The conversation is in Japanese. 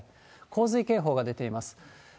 洪水警報が出ています。